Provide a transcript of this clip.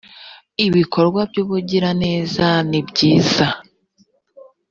ibikorwa by ‘ubugiranezanibyiza.